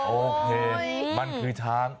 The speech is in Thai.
โอเคมันคือช้าง